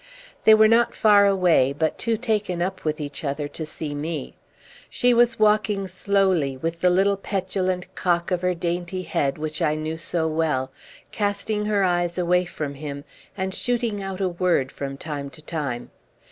They were not far away, but too taken up with each other to see me. She was walking slowly, with the little petulant cock of her dainty head which I knew so well, casting her eyes away from him, and shooting out a word from time to time.